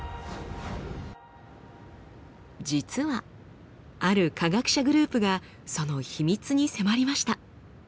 実はある科学者グループがその秘密に迫りました。